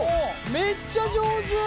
めっちゃ上手！